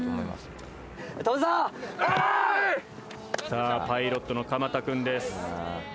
さあパイロットの鎌田くんです。